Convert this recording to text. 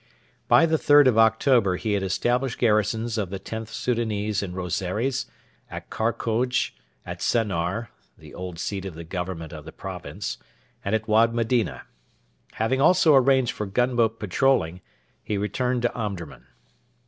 By the 3rd of October he had established garrisons of the Xth Soudanese in Rosaires, at Karkoj, at Sennar (the old seat of the Government of the province), and at Wad Medina. Having also arranged for gunboat patrolling, he returned to Omdurman.